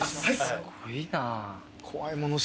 すごいね。